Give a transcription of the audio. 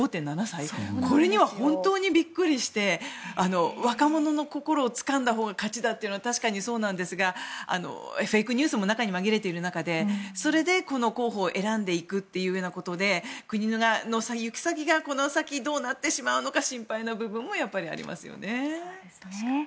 これには本当にびっくりして若者の心をつかんだほうが価値だというのは確かにそうなんですがフェイクニュースも中には紛れている中でそれでこの候補を選んでいくということで国の行く先がこの先、どうなってしまうのか心配な部分もありますよね。